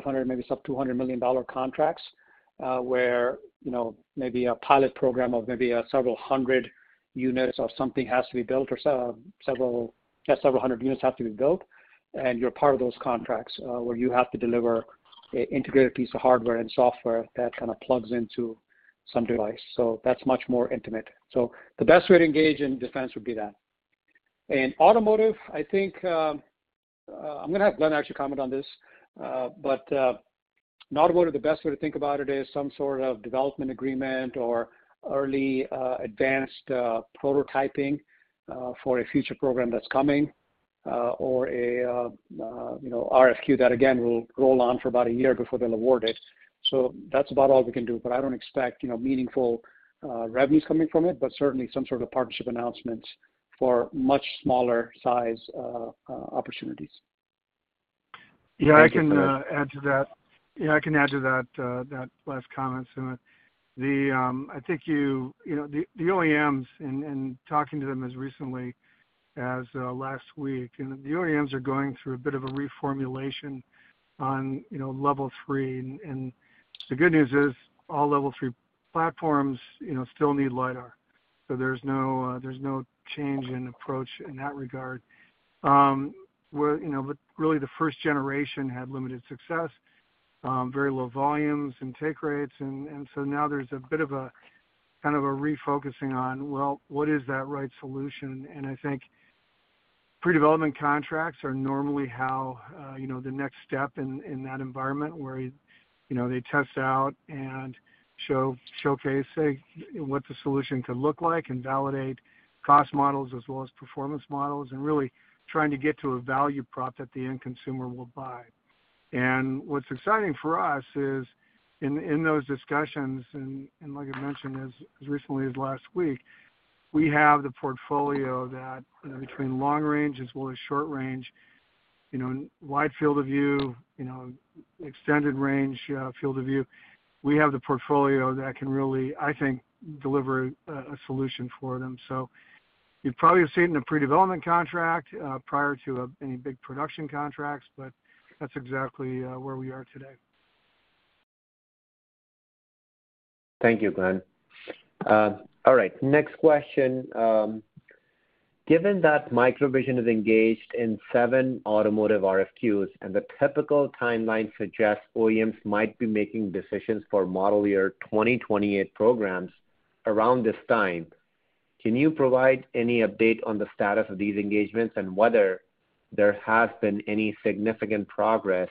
million, maybe sub-$200 million contracts where maybe a pilot program of maybe several hundred units or something has to be built or several hundred units have to be built, and you're part of those contracts where you have to deliver an integrated piece of hardware and software that kind of plugs into some device. That's much more intimate. The best way to engage in defense would be that. In automotive, I think I'm going to have Glen actually comment on this, but in automotive, the best way to think about it is some sort of development agreement or early advanced prototyping for a future program that's coming or an RFQ that, again, will roll on for about a year before they'll award it. That's about all we can do, but I don't expect meaningful revenues coming from it, but certainly some sort of partnership announcements for much smaller size opportunities. Yeah. I can add to that. I can add to that last comment, Sumit. I think the OEMs, and talking to them as recently as last week, the OEMs are going through a bit of a reformulation on level three. The good news is all level three platforms still need LiDAR. There is no change in approach in that regard. Really, the first generation had limited success, very low volumes and take rates. Now there is a bit of a kind of a refocusing on, what is that right solution? I think pre-development contracts are normally how the next step in that environment where they test out and showcase what the solution could look like and validate cost models as well as performance models and really trying to get to a value prop that the end consumer will buy. What is exciting for us is in those discussions, like I mentioned as recently as last week, we have the portfolio that between long range as well as short range, wide field of view, extended range field of view, we have the portfolio that can really, I think, deliver a solution for them. You probably have seen a pre-development contract prior to any big production contracts, but that is exactly where we are today. Thank you, Glen. All right. Next question. Given that MicroVision is engaged in seven automotive RFQs and the typical timeline suggests OEMs might be making decisions for model year 2028 programs around this time, can you provide any update on the status of these engagements and whether there has been any significant progress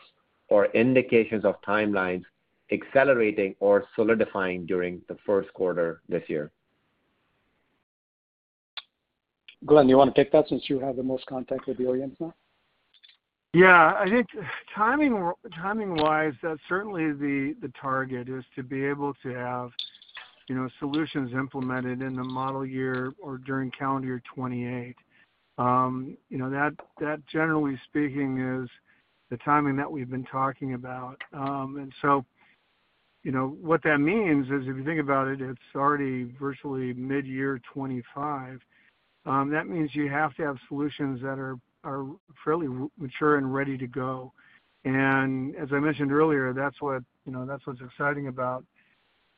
or indications of timelines accelerating or solidifying during the first quarter this year? Glen, you want to take that since you have the most contact with the OEMs now? Yeah. I think timing-wise, that's certainly the target is to be able to have solutions implemented in the model year or during calendar year 2028. That, generally speaking, is the timing that we've been talking about. What that means is if you think about it, it's already virtually mid-year 2025. That means you have to have solutions that are fairly mature and ready to go. As I mentioned earlier, that's what's exciting about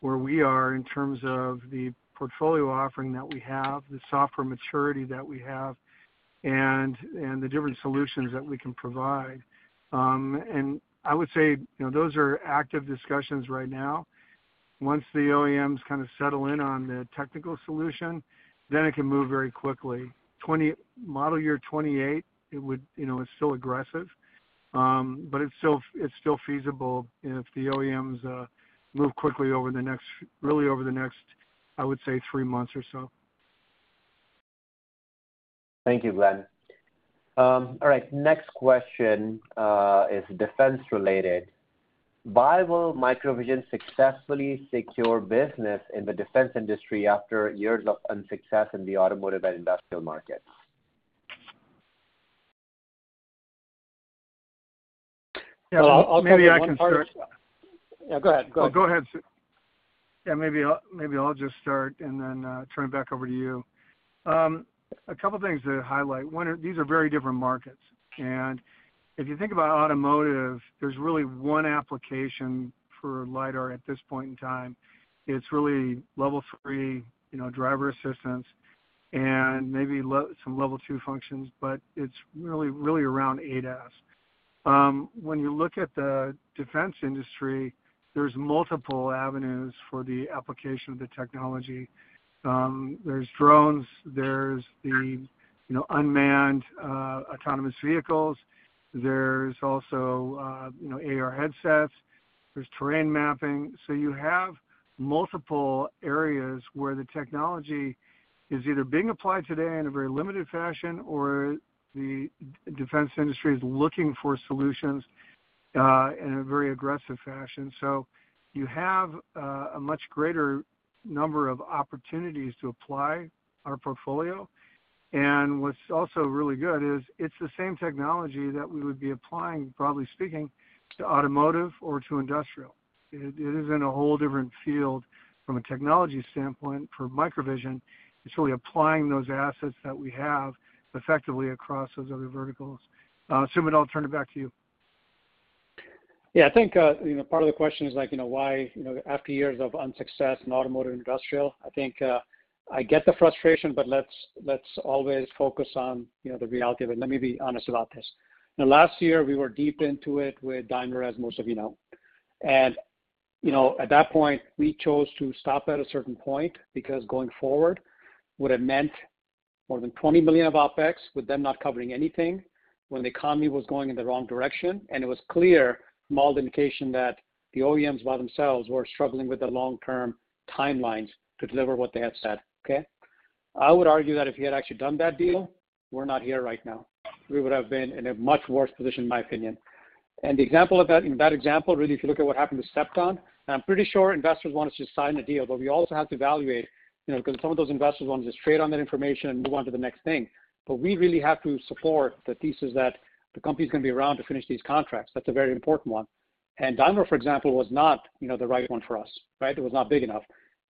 where we are in terms of the portfolio offering that we have, the software maturity that we have, and the different solutions that we can provide. I would say those are active discussions right now. Once the OEMs kind of settle in on the technical solution, then it can move very quickly. Model year 2028, it's still aggressive, but it's still feasible if the OEMs move quickly over the next, really over the next, I would say, three months or so. Thank you, Glen. All right. Next question is defense-related. Why will MicroVision successfully secure business in the defense industry after years of unsuccess in the automotive and industrial markets? Yeah. Maybe I can start. Yeah. Go ahead. Go ahead. Go ahead. Yeah. Maybe I'll just start and then turn it back over to you. A couple of things to highlight. These are very different markets. If you think about automotive, there's really one application for LiDAR at this point in time. It's really level three driver assistance and maybe some level two functions, but it's really around ADAS. When you look at the defense industry, there's multiple avenues for the application of the technology. There's drones. There's the unmanned autonomous vehicles. There's also AR headsets. There's terrain mapping. You have multiple areas where the technology is either being applied today in a very limited fashion or the defense industry is looking for solutions in a very aggressive fashion. You have a much greater number of opportunities to apply our portfolio. What's also really good is it's the same technology that we would be applying, broadly speaking, to automotive or to industrial. It is in a whole different field from a technology standpoint. For MicroVision, it's really applying those assets that we have effectively across those other verticals. Sumit, I'll turn it back to you. Yeah. I think part of the question is why after years of unsuccess in automotive and industrial, I think I get the frustration, but let's always focus on the reality of it. Let me be honest about this. Last year, we were deep into it with DynoRes, most of you know. At that point, we chose to stop at a certain point because going forward, what it meant, more than $20 million of OpEx with them not covering anything when the economy was going in the wrong direction, and it was clear from all the indication that the OEMs by themselves were struggling with the long-term timelines to deliver what they had set. Okay? I would argue that if we had actually done that deal, we're not here right now. We would have been in a much worse position, in my opinion. The example of that, that example, really, if you look at what happened with Cepton, I'm pretty sure investors want us to sign a deal, but we also have to evaluate because some of those investors want to just trade on that information and move on to the next thing. We really have to support the thesis that the company is going to be around to finish these contracts. That's a very important one. DynoRes, for example, was not the right one for us, right? It was not big enough.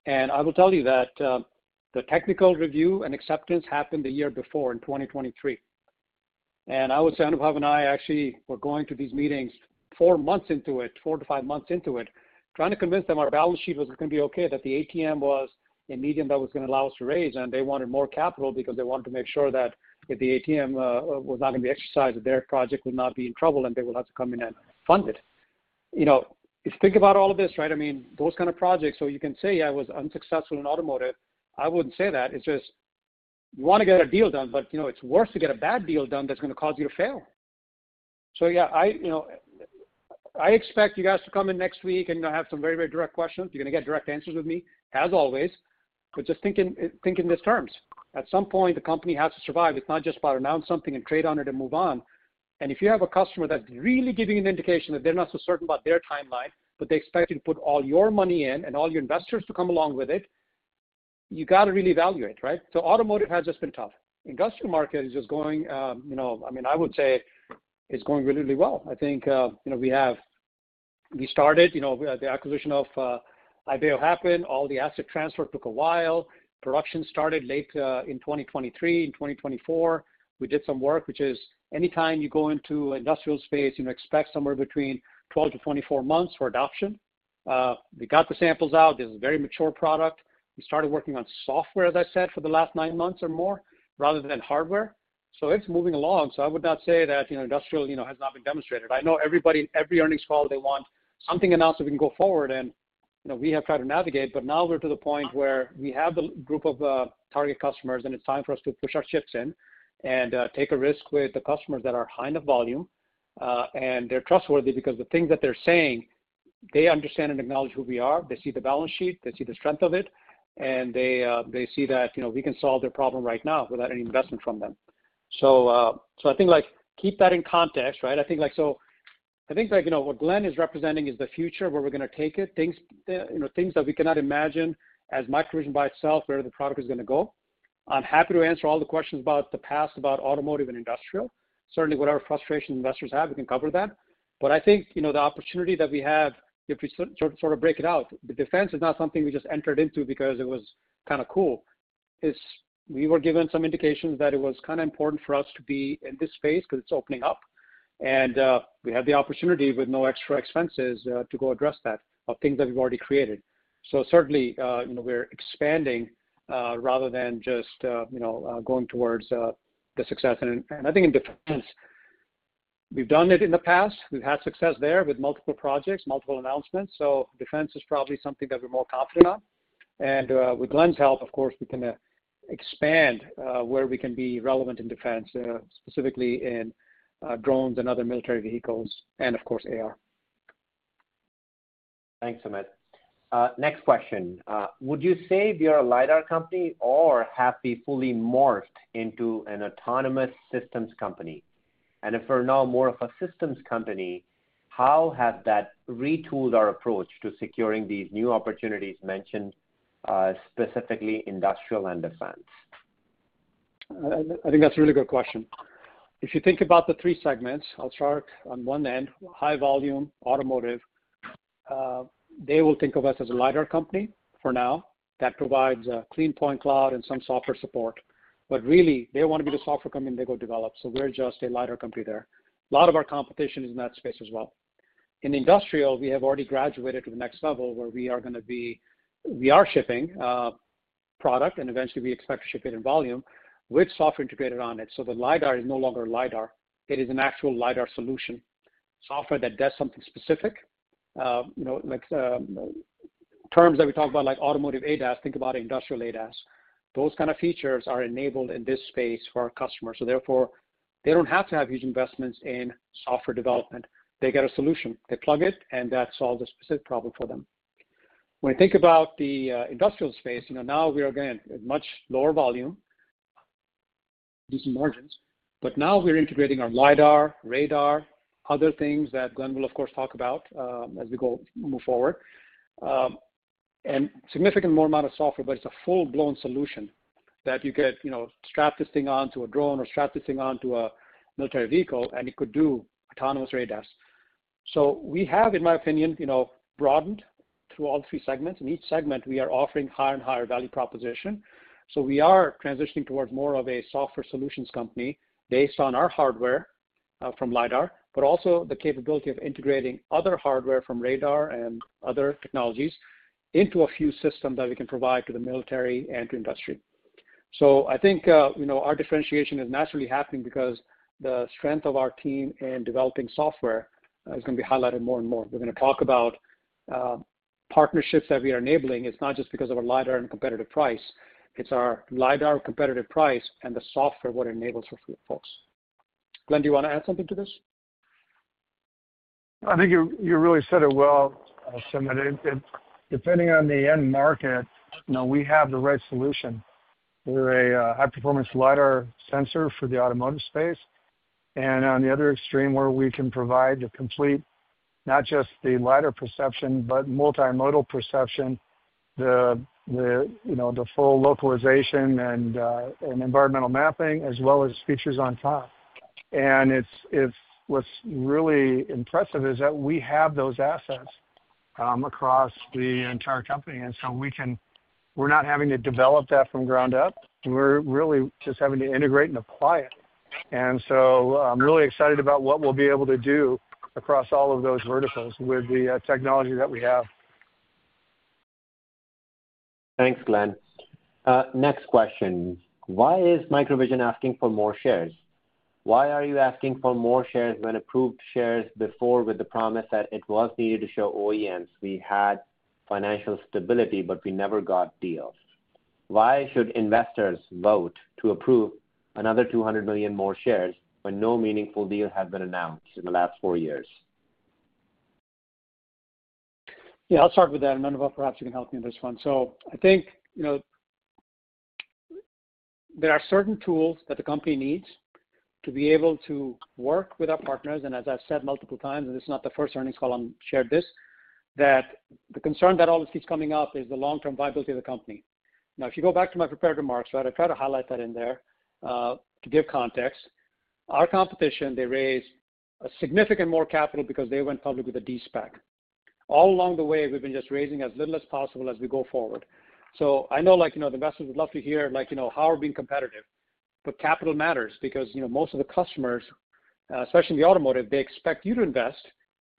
I will tell you that the technical review and acceptance happened the year before, in 2023. I would say Anubhav and I actually were going to these meetings four months into it, four to five months into it, trying to convince them our balance sheet was going to be okay, that the ATM was a medium that was going to allow us to raise, and they wanted more capital because they wanted to make sure that if the ATM was not going to be exercised, that their project would not be in trouble and they would have to come in and fund it. You think about all of this, right? I mean, those kind of projects. You can say, "I was unsuccessful in automotive." I wouldn't say that. It's just you want to get a deal done, but it's worse to get a bad deal done that's going to cause you to fail. Yeah, I expect you guys to come in next week and have some very, very direct questions. You're going to get direct answers with me, as always, but just think in these terms. At some point, the company has to survive. It's not just about announcing something and trade on it and move on. If you have a customer that's really giving an indication that they're not so certain about their timeline, but they expect you to put all your money in and all your investors to come along with it, you got to really evaluate, right? Automotive has just been tough. Industrial market is just going, I mean, I would say it's going really, really well. I think we started, the acquisition of IBM happened. All the asset transfer took a while. Production started late in 2023. In 2024, we did some work, which is anytime you go into industrial space, you expect somewhere between 12-24 months for adoption. We got the samples out. This is a very mature product. We started working on software, as I said, for the last nine months or more rather than hardware. It is moving along. I would not say that industrial has not been demonstrated. I know everybody in every earnings call, they want something announced so we can go forward. We have tried to navigate, but now we are to the point where we have a group of target customers, and it is time for us to push our chips in and take a risk with the customers that are high enough volume and they are trustworthy because the things that they are saying, they understand and acknowledge who we are. They see the balance sheet. They see the strength of it. They see that we can solve their problem right now without any investment from them. I think keep that in context, right? I think what Glen is representing is the future where we're going to take it, things that we cannot imagine as MicroVision by itself where the product is going to go. I'm happy to answer all the questions about the past, about automotive and industrial. Certainly, whatever frustrations investors have, we can cover that. I think the opportunity that we have, if we sort of break it out, the defense is not something we just entered into because it was kind of cool. We were given some indications that it was kind of important for us to be in this space because it's opening up. We have the opportunity with no extra expenses to go address that of things that we've already created. Certainly, we're expanding rather than just going towards the success. I think in defense, we've done it in the past. We've had success there with multiple projects, multiple announcements. Defense is probably something that we're more confident on. With Glen DeVos's help, of course, we can expand where we can be relevant in defense, specifically in drones and other military vehicles and, of course, AR. Thanks, Sumit. Next question. Would you say we are a LiDAR company or have we fully morphed into an autonomous systems company? If we're now more of a systems company, how has that retooled our approach to securing these new opportunities mentioned, specifically industrial and defense? I think that's a really good question. If you think about the three segments, I'll start on one end, high volume, automotive, they will think of us as a LiDAR company for now that provides a clean point cloud and some software support. But really, they want to be the software company, they go develop. So we're just a LiDAR company there. A lot of our competition is in that space as well. In industrial, we have already graduated to the next level where we are going to be, we are shipping product, and eventually, we expect to ship it in volume with software integrated on it. So the LiDAR is no longer LiDAR. It is an actual LiDAR solution, software that does something specific. Terms that we talk about, like automotive ADAS, think about industrial ADAS. Those kind of features are enabled in this space for our customers. Therefore, they do not have to have huge investments in software development. They get a solution. They plug it in, and that solves a specific problem for them. When you think about the industrial space, now we are, again, at much lower volume, these margins. Now we are integrating our LiDAR, radar, other things that Glen will, of course, talk about as we move forward, and significant more amount of software, but it is a full-blown solution that you could strap this thing onto a drone or strap this thing onto a military vehicle, and it could do autonomous radars. In my opinion, we have broadened through all three segments. In each segment, we are offering higher and higher value proposition. We are transitioning towards more of a software solutions company based on our hardware from LiDAR, but also the capability of integrating other hardware from radar and other technologies into a few systems that we can provide to the military and to industry. I think our differentiation is naturally happening because the strength of our team in developing software is going to be highlighted more and more. We're going to talk about partnerships that we are enabling. It's not just because of our LiDAR and competitive price. It's our LiDAR competitive price and the software what enables for folks. Glen, do you want to add something to this? I think you really said it well, Sumit. Depending on the end market, we have the right solution for a high-performance LiDAR sensor for the automotive space. On the other extreme, we can provide the complete, not just the LiDAR perception, but multimodal perception, the full localization and environmental mapping, as well as features on top. What's really impressive is that we have those assets across the entire company. We are not having to develop that from ground up. We are really just having to integrate and apply it. I am really excited about what we will be able to do across all of those verticals with the technology that we have. Thanks, Glen. Next question. Why is MicroVision asking for more shares? Why are you asking for more shares when approved shares before with the promise that it was needed to show OEMs we had financial stability, but we never got deals? Why should investors vote to approve another 200 million more shares when no meaningful deal has been announced in the last four years? Yeah. I'll start with that, and then perhaps you can help me on this one. I think there are certain tools that the company needs to be able to work with our partners. As I've said multiple times, and this is not the first earnings call I've shared this, the concern that always keeps coming up is the long-term viability of the company. If you go back to my prepared remarks, right, I try to highlight that in there to give context. Our competition, they raised a significant more capital because they went public with a DSPAC. All along the way, we've been just raising as little as possible as we go forward. I know the investors would love to hear how we're being competitive. Capital matters because most of the customers, especially in the automotive, they expect you to invest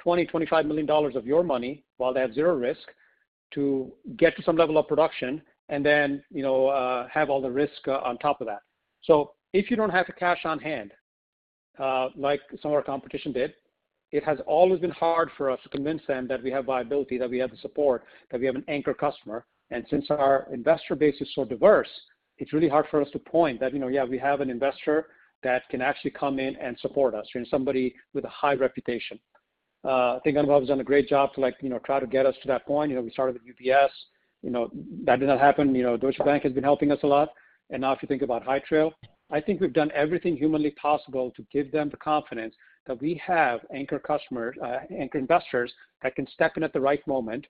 $20 million-$25 million of your money while they have zero risk to get to some level of production and then have all the risk on top of that. If you do not have the cash on hand like some of our competition did, it has always been hard for us to convince them that we have viability, that we have the support, that we have an anchor customer. Since our investor base is so diverse, it is really hard for us to point that, yeah, we have an investor that can actually come in and support us, somebody with a high reputation. I think Anubhav has done a great job to try to get us to that point. We started with UBS. That did not happen. Deutsche Bank has been helping us a lot. Now, if you think about Hytrail, I think we've done everything humanly possible to give them the confidence that we have anchor investors that can step in at the right moment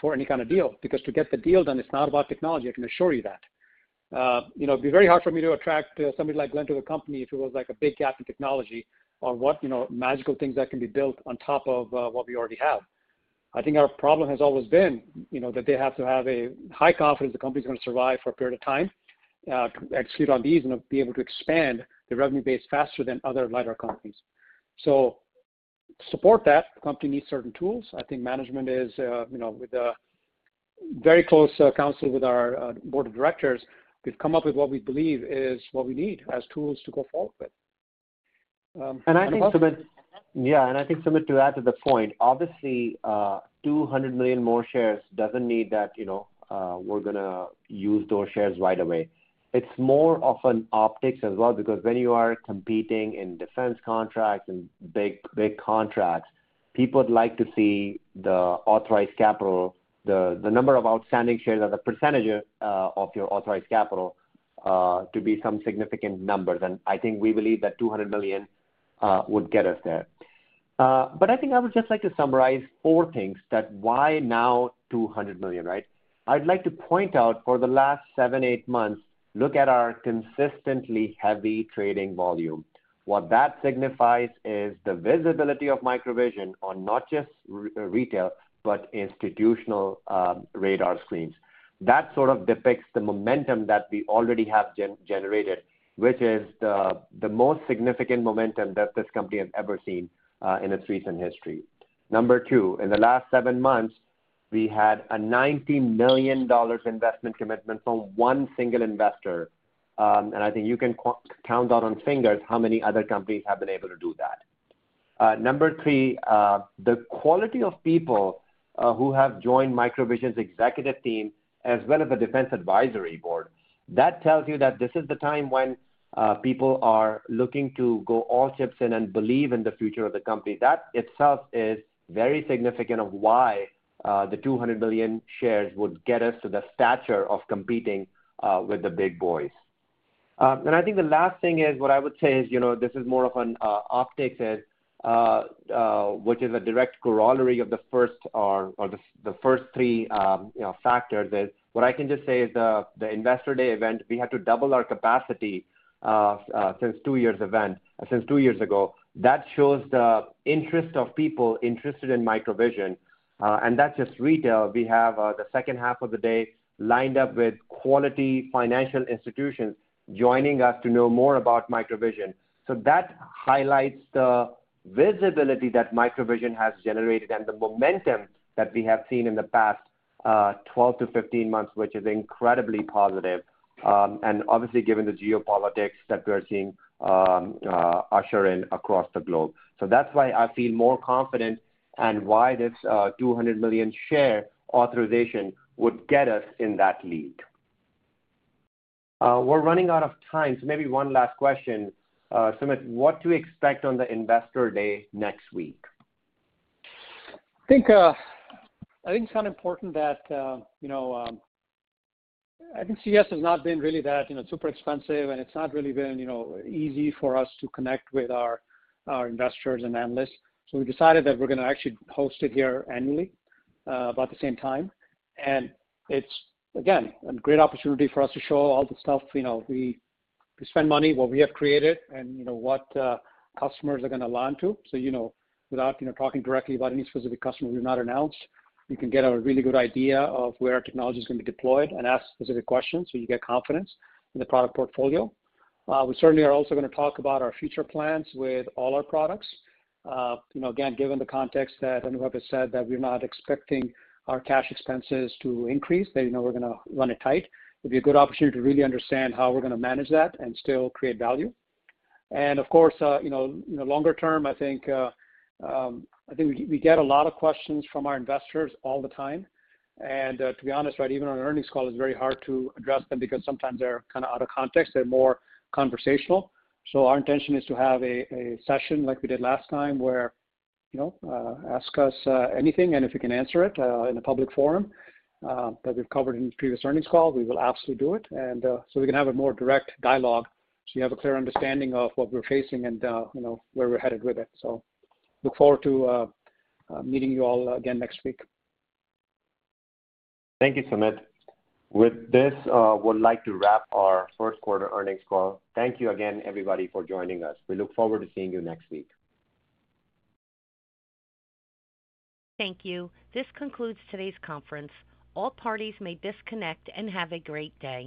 for any kind of deal because to get the deal done, it's not about technology. I can assure you that. It'd be very hard for me to attract somebody like Glen to the company if it was a big gap in technology or what magical things that can be built on top of what we already have. I think our problem has always been that they have to have a high confidence the company is going to survive for a period of time, execute on these, and be able to expand the revenue base faster than other LiDAR companies. To support that, the company needs certain tools. I think management is, with very close counsel with our board of directors, we've come up with what we believe is what we need as tools to go forward with. I think. And also. Sumit. Yeah. I think, Sumit, to add to the point, obviously, 200 million more shares does not mean that we are going to use those shares right away. It is more of an optics as well because when you are competing in defense contracts and big contracts, people would like to see the authorized capital, the number of outstanding shares, and the percentage of your authorized capital to be some significant numbers. I think we believe that 200 million would get us there. I would just like to summarize four things that why now 200 million, right? I would like to point out for the last seven, eight months, look at our consistently heavy trading volume. What that signifies is the visibility of MicroVision on not just retail, but institutional radar screens. That sort of depicts the momentum that we already have generated, which is the most significant momentum that this company has ever seen in its recent history. Number two, in the last seven months, we had a $90 million investment commitment from one single investor. I think you can count out on fingers how many other companies have been able to do that. Number three, the quality of people who have joined MicroVision's executive team as well as the defense advisory board, that tells you that this is the time when people are looking to go all chips in and believe in the future of the company. That itself is very significant of why the 200 million shares would get us to the stature of competing with the big boys. I think the last thing is what I would say is this is more of an optics, which is a direct corollary of the first or the first three factors. What I can just say is the investor day event, we had to double our capacity since two years ago. That shows the interest of people interested in MicroVision. That's just retail. We have the second half of the day lined up with quality financial institutions joining us to know more about MicroVision. That highlights the visibility that MicroVision has generated and the momentum that we have seen in the past 12-15 months, which is incredibly positive. Obviously, given the geopolitics that we're seeing usher in across the globe. That's why I feel more confident and why this 200 million share authorization would get us in that lead. We're running out of time. Maybe one last question. Sumit, what do we expect on the investor day next week? I think it's kind of important that I think CES has not been really that super expensive, and it's not really been easy for us to connect with our investors and analysts. We decided that we're going to actually host it here annually about the same time. It's, again, a great opportunity for us to show all the stuff we spend money, what we have created, and what customers are going to learn to. Without talking directly about any specific customer we've not announced, you can get a really good idea of where our technology is going to be deployed and ask specific questions so you get confidence in the product portfolio. We certainly are also going to talk about our future plans with all our products. Again, given the context that Anubhav has said that we're not expecting our cash expenses to increase, that we're going to run it tight, it'd be a good opportunity to really understand how we're going to manage that and still create value. Of course, longer term, I think we get a lot of questions from our investors all the time. To be honest, right, even on an earnings call, it's very hard to address them because sometimes they're kind of out of context. They're more conversational. Our intention is to have a session like we did last time where ask us anything, and if we can answer it in a public forum that we've covered in previous earnings calls, we will absolutely do it. We can have a more direct dialogue. You have a clear understanding of what we're facing and where we're headed with it. I look forward to meeting you all again next week. Thank you, Sumit. With this, I would like to wrap our first quarter earnings call. Thank you again, everybody, for joining us. We look forward to seeing you next week. Thank you. This concludes today's conference. All parties may disconnect and have a great day.